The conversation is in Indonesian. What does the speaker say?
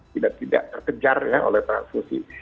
tidak terkejar oleh transfusi